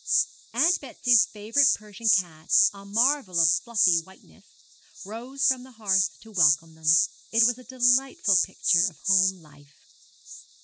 Aunt Betsy's favourite Persian cat, a marvel of fluffy whiteness, rose from the hearth to welcome them. It was a delightful picture of home life.